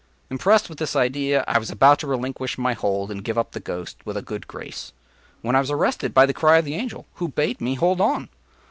Impressed with this idea, I was about to relinquish my hold and give up the ghost with a good grace, when I was arrested by the cry of the Angel, who bade me hold on.